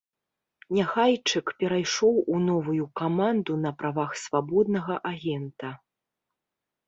Няхайчык перайшоў у новую каманду на правах свабоднага агента.